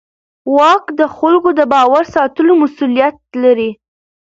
واک د خلکو د باور ساتلو مسؤلیت لري.